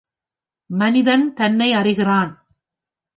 மனிதன் தன்னை அறிகிறான்.